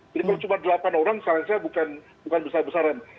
jadi kalau cuma delapan orang seharusnya bukan besar besaran